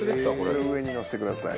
それを上にのせてください。